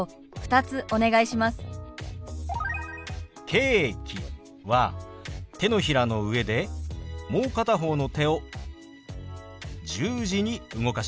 「ケーキ」は手のひらの上でもう片方の手を十字に動かします。